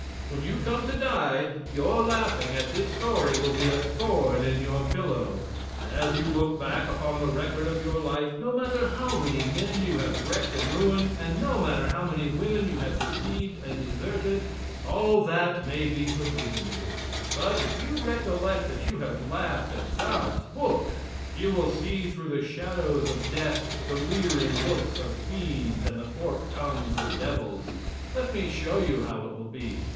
When you come to die, your laughing at this story will be a thorn in your pillow. As you look back upon the record of your life, no matter how many men you have wrecked and ruined, and no matter how many women you have deceived and deserted all that may be forgiven you but if you recollect that you have laughed at God's book you will see through the shadows of death, the leering looks of fiends and the forked tongues of devils. Let me show you how it will be.